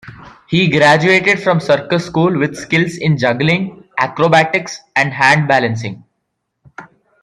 He graduated from Circus school with skills in juggling, acrobatics, and hand balancing.